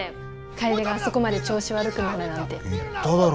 楓があそこまで調子悪くなるなんて言っただろ